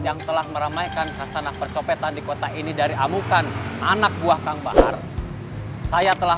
yang telah meramaikan kasanah percopetan di kota ini dari amukan anak buah kang bahar saya telah